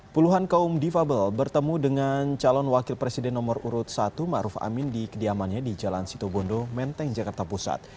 puluhan kaum difabel bertemu dengan calon wakil presiden nomor urut satu ⁇ maruf ⁇ amin di kediamannya di jalan situbondo menteng jakarta pusat